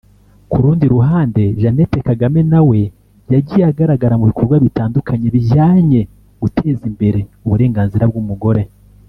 ku rundi ruhande Jeannette Kagame nawe yagiye agaragara mu bikorwa bitandukanye bijyanye guteza imbere uburenganzira bw’umugore